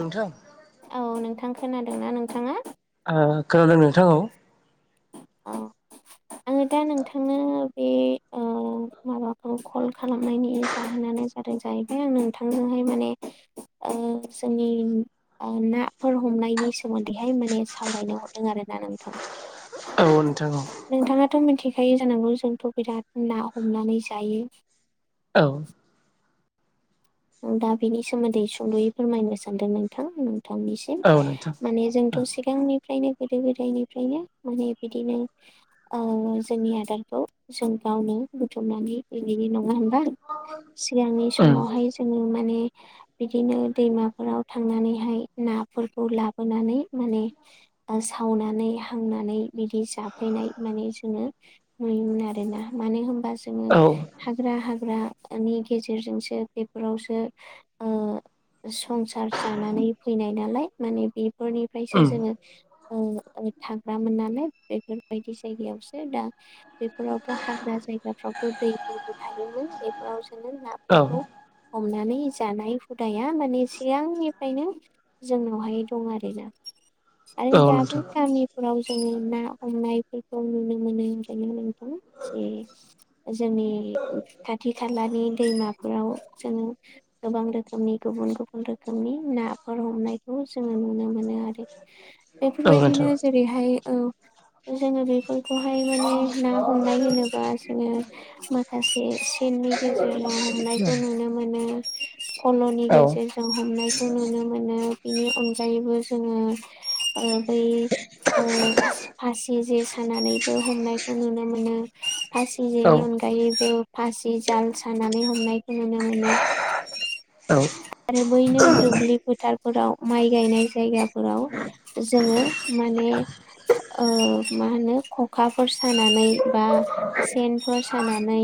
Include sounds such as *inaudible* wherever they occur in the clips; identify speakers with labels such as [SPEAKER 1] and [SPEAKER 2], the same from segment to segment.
[SPEAKER 1] नोंथां
[SPEAKER 2] औ नोंथां खोनादोंना नोंथाङा?
[SPEAKER 1] आ खोनादों नोंथां औ।
[SPEAKER 2] अ आङो दा नोंथांनो बे आ अ माबाखौ कल खालामनायनि जाहोनानो जादों जाहैबाय आं नोंथां नोहाय माने ओ जोंनि ओ ना फोर हमनायनि सोमोन्दैहाय माने सावरायनो हरदों आरो ना नोंथां। नोंथाङाथ' मिनथि खायो जानांगौ जोंथ' बिराद ना हमनानै जायो।
[SPEAKER 1] औ।
[SPEAKER 2] दा बेनि सोमोन्दै सुंद'यै फोरमायनो सानदों नोंथां। नोंथांनिसिम
[SPEAKER 1] औ नोंथां
[SPEAKER 2] माने जोंथ' सिगांनि फ्रायनो गोदो गोदायनिफ्रायनो माने बिदिनो ओ जोंनि आदारखौ जों गावनो बुथुमनानै इनिनो नङा होनबा सिगांनि
[SPEAKER 1] औ
[SPEAKER 2] समावहाय जोङो माने बिदिनो दैमाफोराव थांनानैहाय नाफोरखौ लाबोनानै माने सावनानै हांनानै बिदि जाफैनाय माने जोङो नुयोमोन आरो ना मानो होनबा जोङो
[SPEAKER 1] औ नोंथां उम औ
[SPEAKER 2] हाग्रा हाग्राानि गेजेरजोंसो बे बेफोरावसो ओ संसार जानानै फैनाय नालाय माने बे फोरफोरनिफ्रायसो
[SPEAKER 1] उम
[SPEAKER 2] जोङो ओ थाग्रामोन नालाय बेफोरबायदि जायगायावसो दा बेफोरावथ' हाग्रा जायगाफ्रावथ' दैफोरबो थायोमोन बेफोराव जों
[SPEAKER 1] औ
[SPEAKER 2] नाफोरखौ हमनानै जानाय हुदाया माने सिगांनिफ्रायनो जोंनावहाय दं आरोना *inaudible*
[SPEAKER 1] औ
[SPEAKER 2] आरो दाबो
[SPEAKER 1] नोंथां
[SPEAKER 2] गामिफोराव जोङो ना हमनायफोरखौ नुनो मोनो ओंखाइनो जे जोंनि खाथि खालानि दैमाफोराव उम गोबां रोखोमनि गुबुन गुबुन रोखोमनि नाफोर हमनायखौ जोङो नुनो मोनो आरो
[SPEAKER 1] औ
[SPEAKER 2] बेफोरबायदिनो
[SPEAKER 1] नोंथां
[SPEAKER 2] जेरैहाय औ जोङो बेफोर खौहाय माने ना हमनाय होनोबा जोङो माखासे सेननि गेजेराव हमनाय *inaudible* खौ नुनो मोनो फल'नि
[SPEAKER 1] औ
[SPEAKER 2] गेजेरजों हमनायखौ नुनो मोनो। बेनि अनगायैबो जोङो ओ बै ओ फासि जे सानानैबो हमनायखौ नुनो मोनो फासि
[SPEAKER 1] औ
[SPEAKER 2] जेनि अनगायैबो फासि जाल सा नानै हमनाय नुनो मोनो आरो बैनो दुब्लि फोथारफोराव माइ गायनाय जायगाफोराव जोङो माने मा होनो खखाफोर सानानै बा सेनफोर सानानै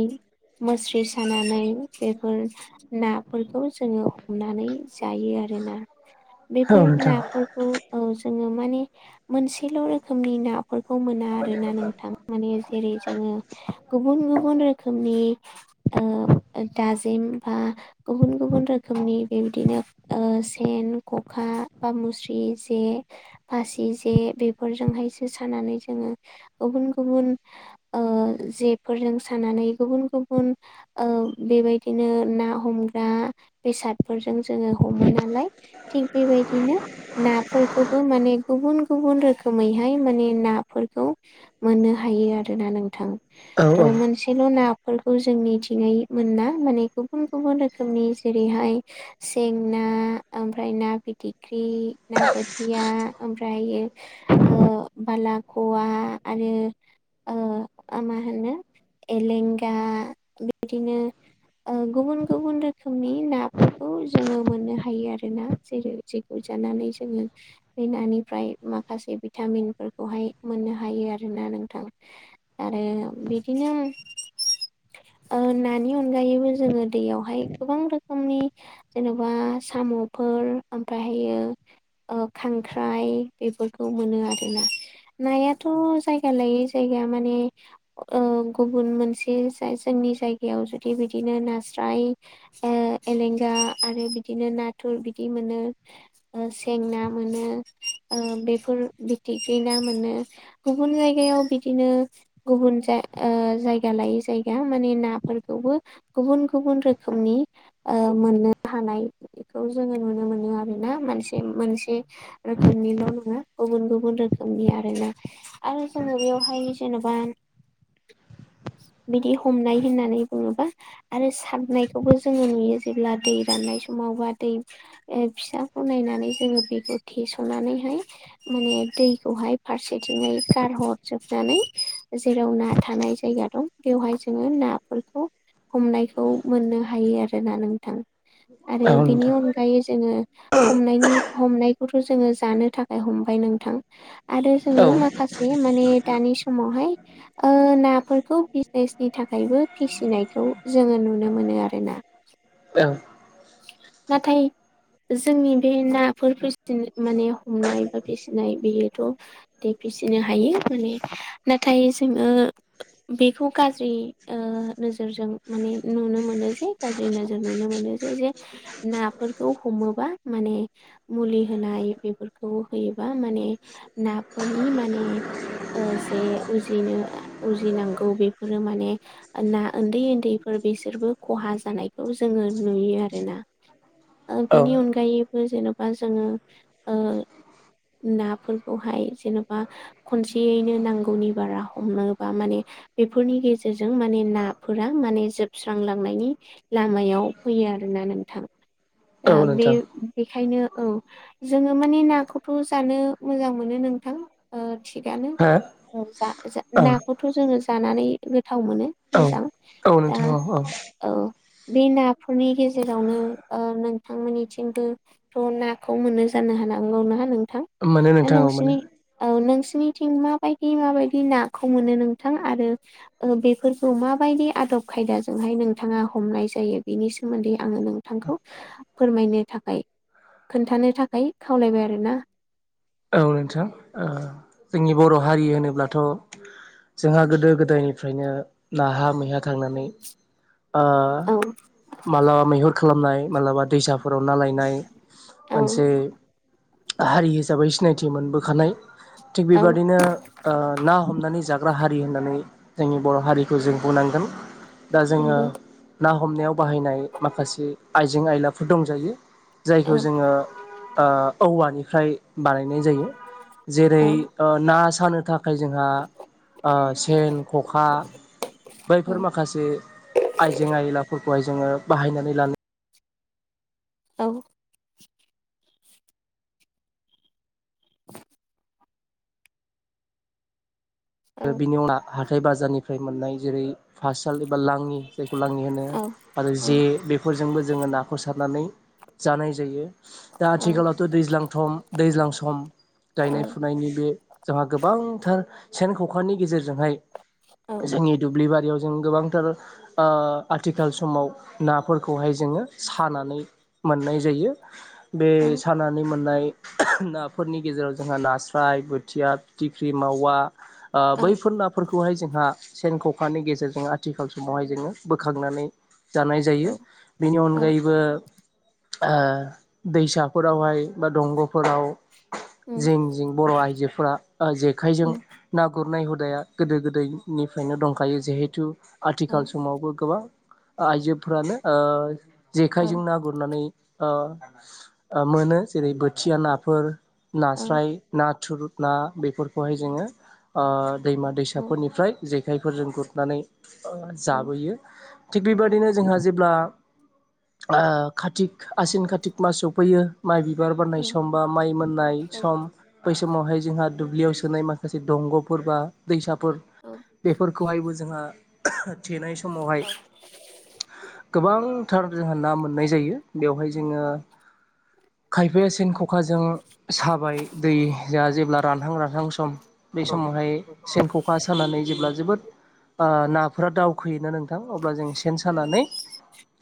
[SPEAKER 2] मुस्रि सानानै बेफोर नाफोरखौ जोङो हमनानै जायो आरोना।
[SPEAKER 1] औ
[SPEAKER 2] बेफोर
[SPEAKER 1] नोंथां
[SPEAKER 2] नाफोरखौ जोङो माने मोनसेल रोखोमनि नाफोरखौ मोना आरोना नोंथां माने जेरै जोङो गुबुन गुबुन रोखोमनि दाजिम बा गुबुन गुबुन रोखोमनि बेबायदिनो सेन खखा बा मुस जे फासि जे बेफोरजोंहायसो सानानै जोङो गुबुन गुबुन जेफोरजों सानानै गुबुन गुबुन ओ बेबायदिनो ना हमग्रा बेसादफोरजों जोङो हमो नालाय थिग बेबायदि बेबायदिनो नाफोरखौबो माने गुबुन गुबुन रोखोमैहाय माने नाफोरखौ मोननो हायो आरोोना नोंथां
[SPEAKER 1] औ
[SPEAKER 2] थ मोनसेल नाफोरखौ जोंनिथिङै मोना माने गुबुन गुबुन रोखोमनि जेरैहाय जेंना ओमफ्राय ना फिथिख्रि ना बोथिया ओमफ्राय बालाखवा आरो मा होनो एलेंगा बिदिनो गुबुन गुबुन रोखोमनि नाफोरखौ जोङो मोननो हायो आरो ना जेरै जेखौ जों जोङो बे नानिफ्राय माखासे भिटामिनफोरखौहाय मोननो हायो आरोना। नोंथां आरो बिदिनो नानि अनगायैबो जोङो दैयावहाय गोबां रोखोमनि जेनेबा साम'फो मफ्रायायो खांख्राइ बेफोरखौ मोन आरोना नायाथ' जायगा लायै जायगा माने गुबुन मोनसे जोंनि जायगायाव जुदि बिदिनो नास्राय एलेंगा आरो बिदिनो नाथुर बि मोन सें ना मोनो बेफोर फथिख्रि ना गुबुन जायगायाव बिदिनो गुबुन जाया लायै जाय ग्या माने नाफोरखौबो गुबुन गुबुन रोखोमनि मोननो हानाय खौ जोङो नुनो मोनो आरो ना मोनसे मोनसे रोखोमनिल' नङा गुबुन गुबुन रोखोम आरो जोङो बेयावहाय जेनेबा बिदि हमनाय होननानै बुङोबा आरो सारनायखौबो जोङो नुयो जेब्ला दै राननाय समाव मावबा दै ओ फिसाखौ नायनानै जङो बेखौ थेसनानै माने दैखौहाय फारसेथिंहाय गारहरजोबनानै जेराव ना थानाय जायगा दं बेवहाय जोङो नाफोरखौ हमनायखौ मोननो हायो आरोना नोंथां। आरो
[SPEAKER 1] औ नोंथां औ नोंथां हो औ
[SPEAKER 2] बिनि अनगायै जोङो हमनायनि हमनायखौथ' जोङो जानो थाखाय हमबाय नोंथां आरो जोङो माखासे माने दानि समावहाय ओ नाफोरखौ फेसनि थाखायबो फिसिनायखौ जोङो नुनो मोनो आरो ना। नाथाय जोंनि बे नाफोर फि माने हमनाय बा फिसिनाय बेयोथ' इदिनो हायो माने नाथाय जोङो बेखौ गाज्रि नोजोरजों माने नुनो मोनो जे गाज्रि नोजोर नुनो मोनो। जो जे नाफोरखौ हमोबा माने मुलि होनाय बेफोरखौ होयोबा माने नाफोरनि माने जे उजिनो उजिनांगौ बेफोरो माने ना उन्दै उन्दैफोर बिसोरबो खहा जानायखौ जोङो नुयो आरोना। ओ बेनि अनगायैबो जेन'बा जोङो ओ नाफोरखौहाय जेनबा खनसेयैनो नांगौनि बारा हमोबा माने बेफोरनि गेजेरजों माने नाफोरा माने जोबस्रांलांनायनि लामायाव फैयो आरोना नोंथां दा बे बे बेखायनो औ जोङो माने नाखौथ जानो मोजां मोनो नोंथां ओ थिगानो जा नाखौथ' जोङो जानानै गोथाव मोनो मोजां दा
[SPEAKER 1] नोंथां औ औ
[SPEAKER 2] औ बे ना फोरनि गेजेरावनो नोंथांमोननिथिंबो थ' नाखौ मोननो जानो हानांगौ ना नोंथां?
[SPEAKER 1] औ मोनो
[SPEAKER 2] दा
[SPEAKER 1] नोंथां औ मोनो
[SPEAKER 2] नोंसिनि औ नोंसिनिथिं माबायदि माबायदि नाखौ मोनो नोंथां आरो ओ बे फोरखौ माबायदि आदब खायदाजोंहाय नोंथाङा हमनाय जायो? बिनि सोमोन्दै आङो नोंथांखौ फोरमायनो थाखाय खोन्थानो थाखाय खावलायबाय आरोना।
[SPEAKER 1] औ नोंथां जोंनि बर' हारि होनोब्लाथ' जोंहा गोदो गोदायनिफ्रायनो नाहा मैहा थांनानै ओ
[SPEAKER 2] औ
[SPEAKER 1] माब्लाबा मैहुर खालामनाय माब्लाबा दैसाफोराव ना लायनाय
[SPEAKER 2] औ
[SPEAKER 1] मोनसे हारि हिसाबै सिनायथि मोनबोखानाय थिग
[SPEAKER 2] औ
[SPEAKER 1] बेबदिनो ना हमनानै जाग्रा हारि हारि होननानै जोंनि बर' हारिखौ जों बुंनांगोन दा जोङो
[SPEAKER 2] नंगौ
[SPEAKER 1] ना हमनायाव बाहायनाय माखासे आइजें आयलाफोर दंजायो। जायखौ
[SPEAKER 2] औ
[SPEAKER 1] जोङो औवानिफ्राय बानायनाय जायो जेरै
[SPEAKER 2] औ
[SPEAKER 1] ओ ना सानो थाखाय ओ जोंहा ओ सेन खखा
[SPEAKER 2] औ
[SPEAKER 1] बैफोर माखासे आइजें आयलाफोरखौहाय जोङो बाहायनानै लानो
[SPEAKER 2] औ औ
[SPEAKER 1] आरो बिनि उनाव हाथाय बाजारनिफ्राय मोननाय जेरै फातसाल एबा लाङि जायखौ लाङि होनो आरो जे
[SPEAKER 2] औ
[SPEAKER 1] बेफोरजोंबो जोङो नाखौ सारनानै जानाय जायो दा
[SPEAKER 2] औ
[SPEAKER 1] आथिखालावथ' दैज्लांथं दैज्लां सम
[SPEAKER 2] औ
[SPEAKER 1] गायनाय फुनायनि बे जोंहा गोबांथार सेन खखानि गेजेरजोंहाय जोंनि दुब्लि बारियाव जों गोबांथार ओ आथिखाल समाव नाफोरखौहाय जों ङो सानानै मोननाय जायो। बे सानानै मोननाय नाफोर नि गेजेराव जोंहा नास्राय, बोथिया, फिथिख्रि, मावा, आ
[SPEAKER 2] औ
[SPEAKER 1] बैफोर नाफोर खौहाय जोंहा सेन ख'खानि गेजेरजों आथिखाल समावहाय जोङो बोखांनानै जानाय जायो।
[SPEAKER 2] औ
[SPEAKER 1] बिनि
[SPEAKER 2] औ
[SPEAKER 1] अनगायैबो दैसाफोरावहाय बा दंग'फोराव
[SPEAKER 2] उम
[SPEAKER 1] जिं जिं बर' आइजोफोरा ओ जेखाइजों
[SPEAKER 2] उम
[SPEAKER 1] ना गुरनाय हुदाया गोदो गोदाय निफ्रायनो दंखायो जिहेथु
[SPEAKER 2] औ
[SPEAKER 1] आथिखाल समावबो गोबां आइजोफ्रानो ओ
[SPEAKER 2] औ
[SPEAKER 1] जेखायजों ना गुरनानै ओ ओ मोनो जेरै बोथिया नाफोर
[SPEAKER 2] औ
[SPEAKER 1] नास्राय नाथुर ना बेफोरखौहाय जोङो आ दैमा
[SPEAKER 2] औ
[SPEAKER 1] दैसाफोरनिफ्राय जेखायफोरजों गुरनानै ओ जाबोयो। थिग बेबादिनो जोंहा जेब्ला आ कातिक आसिन कातिक मास सफैयो माइ गि बिबार बारनाय
[SPEAKER 2] उम
[SPEAKER 1] सम बा माइ मोननाय सम बै समावहाय जोंहा दुब्लियाव सोनाय माखासे दंग' फोर बा दैसाफोर बेफोरखौहायबो जोंहा थेनाय समावहाय गोबां थार जोंहा ना मोननाय जायो। बेवहाय जोङो खायफाया सेन खखाजों साबाय दै जा जेब्ला रानहां रानहां सम। बे समावहाय सेन ख'खा सानानै जेब्ला जोबोद आ नाफोरा दावखोयोना नोंथां अब्ला जों सेन
[SPEAKER 2] औ
[SPEAKER 1] सानानै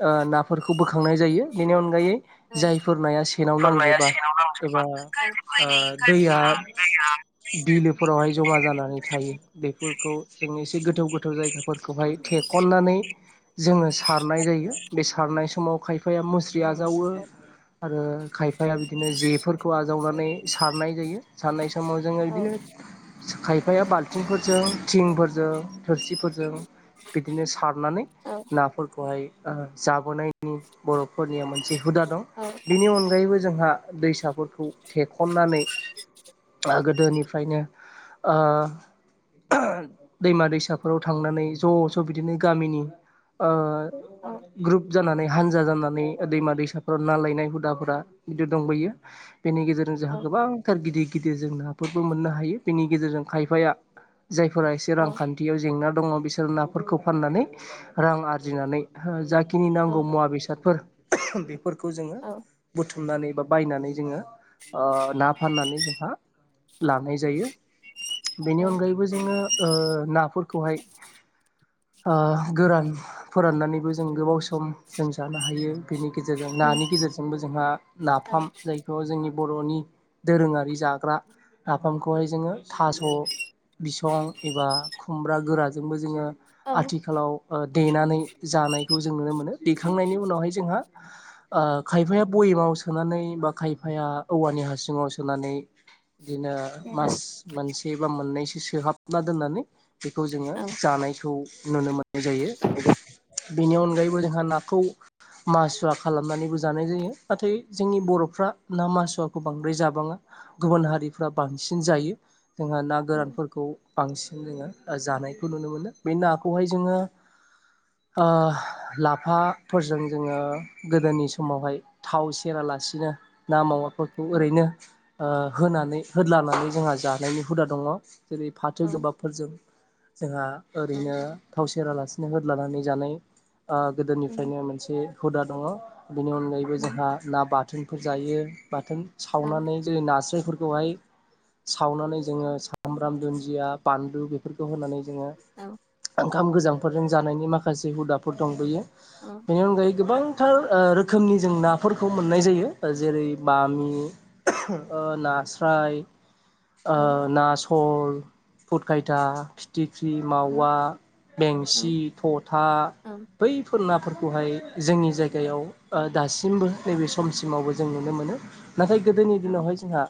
[SPEAKER 1] ओ नाफोरखौ बोखांनाय जायो। बिनि अनगायै
[SPEAKER 2] औ
[SPEAKER 1] जायफोर नाया सेनाव नां
[SPEAKER 2] बोरमाया
[SPEAKER 1] जोबा
[SPEAKER 2] सेनाव नांजोबो
[SPEAKER 1] एबा
[SPEAKER 2] औ
[SPEAKER 1] ओ दैया
[SPEAKER 2] नंगौ
[SPEAKER 1] बिलोफोरावहाय जमा जानानै थायो। बेफोरखौ जों एसे गोथौ गोथौ जायगाफोरखौहाय थेखननानै जोङो सारनाय जायो। बे सारनाय समाव खायफाया मुस्रि आजावो आरो खायफाया बिदिनो जेफोरखौ आजावनानै सारनाय जायो सारनाय समाव जोङो
[SPEAKER 2] औ
[SPEAKER 1] बिदिनो खायफाया बाल्थिंफोरजों थिंफोरजों थोरसिफोरजों बिदिनो सार नानै
[SPEAKER 2] नंगौ
[SPEAKER 1] नाफोरखौहाय ओ जाबोनायनि बर'फोरनिया मोनसे हुदा दं। बिनि अनगायैबो जोंहा दैसाफोरखौ थेखननानै आहा गोदोनिफ्रायनो ओ दैमा दैसाफोराव थांनानै ज' ज' बिदिनो गामिनि ओ ग्रुप जानानै हानजा जानानै दैमा दैसाफोराव ना लायनाय हुदाफोरा बिदि दंबयो। बिनि गेजेरजों जोंहा गोबांथार गिदिर गिदिर जों नाफोरबो मोननो हायो। जोंनि गेजेरजों खायफाया जायफोरा एसे रांखान्थियाव जेंना दङ बिसोर नाफोरखौ फाननानै रां आरजिनानै हो जाखिनि नांगौ मुवा बेसादफोर *unintelligible* बेफोरखौ जोङो बुथुमनानै बा बायनानै जोङो ओ ना फाननानै जोंहा लानाय जायो बेनि अनगायैबो जोङो ओ नाफोरखौहाय
[SPEAKER 2] *inaudible*
[SPEAKER 1] आ गोरान फोराननानैबो जों गोबाव सम जों जानो हायो बिनि गेजेरजों नानि गेज जेरजोंबो जोंहा नाफाम जायखौ जोंनि बर'नि दोरोङारि जाग्रा नाफामखौहाय जोङो थास' बिसं एबा खुमब्रा गोराजोंबो जोङो आथिखालाव ओ देनानै जानायखौ जों नुनो मोनो। दैखांनायनि उनावहाय जोंहा आ खायफाया बयेमाव सोनानै बा खायफाया औवानि हासुङाव सोनानै इदिनो मास मोनसे बा मोननैसो सोहाबना दोननानै बेखौ जोङो जानायखौ नुनो मोननाय जायो। बिनि अनगायैबो जोंहा नाखौ मासुवा खालामनानैबो जानाय जायो। नाथाय जोंनि बर'फ्रा ना मासुवाखौ बांद्राय जाबाङा। गुबुन हारिफ्रा बांसिन जायो। जोंहा ना गोरानफोरखौ बांसिन जोङो जानायखौ नुनो मोनो बे नाखौहाय जोङो ओ लाफाफोरजों जोङो गोदोनि समावहाय थाव सेरा लासिनो ना मावा फोरखौ ओरैनो ओ होनानै होद लानानै जोंहा जानायनि हुदा दङ। जेरै फाथो गोबाबफोरजों जोंहा ओरैनो थाव सेरालासिनो होदलानानै जानाय गोदोनिफ्रायनो मोनसे हुदा दङ। बेनि अनगायैबो जोंहा ना बाथोनफोर जायो बाथोन सावनानै जेरै नास्रायफोरखौ हाय सावनानै जोङो सामब्राम दुन्दिया बानलु बेफोरखौ होनानै जोङो ओंखाम गोजांफोरजों जानायनि माखासे हुदाफोर दं बेयो बिनि अनगायै गोबां थार रोखोमनि जों नाफोरखौ मोननाय जायो ओ जेरै बामि नास्राय ओ ना सल फुट खायथा फिटि ख्रि मावा बेंसि थथा बैफोरना फोरखौहाय जोंनि जायगायाव दासिमबो नैबे समसिमावबो जों नुनो मोनो। नाथाय गोदोनि दिनावहाय जोंहा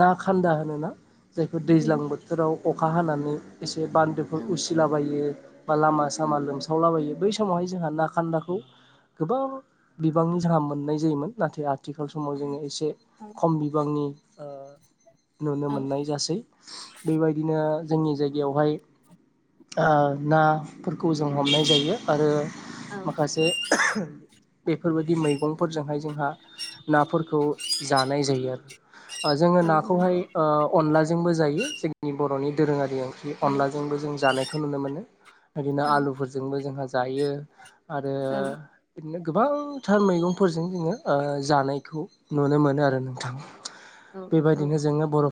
[SPEAKER 1] ना खान्दा होनोना जायखौ दैज्लां बोथोराव अखा हानानै एसे बान्दोफोर उसिलाबायो बा लामा सामा लोमसावला बायो। बै समावहाय जोंहा ना खान्दाखौ गोबां बिबांनि जाहा मोननाय जायोमोन नाथाय आथिखाल समाव जोङो एसे एसे खम बिबांनि ओ नुनो मोननाय जासै बेबायदिनो जोंनि जायगायावहाय नाफोरखौ जों हमनाय जायो आरो माखासे बेफोर बायदि मैगंफोरजोंहाय जोंहा नाफोरखौ जानाय जायो आरो जोङो नाखौहाय ओ अनला जोंबो जायो जोंनि बर'नि दोरोङारि ओंख्रि अनलाजोंबो जों जानायखौ नुनो मोनो बिदिनो आलुफोरजोंबो जोंहा जायो। आरो
[SPEAKER 2] औ
[SPEAKER 1] बिदिनो गोबांथार मैगंफोरजों जोङो जानायखौ नुनो मोनो आरो नोंथां
[SPEAKER 2] औ औ
[SPEAKER 1] बिदिनो जोङो बर'